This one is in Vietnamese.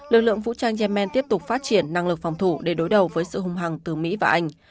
lực lượng vũ trang yemen tiếp tục phát triển năng lực phòng thủ để đối đầu với sự hung hăng từ mỹ và anh